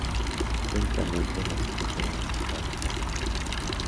Históricamente, las hojas fueron utilizadas para la escritura.